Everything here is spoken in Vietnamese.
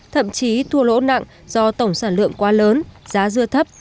thậm chí thua lỗ nặng do tổng sản lượng quá lớn giá dưa thấp